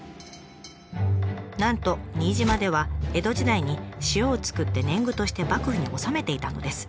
なんと新島では江戸時代に塩を作って年貢として幕府に納めていたのです。